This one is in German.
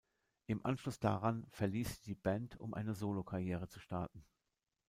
Im Anschluss daran verließ sie die Band, um eine Solokarriere zu starten.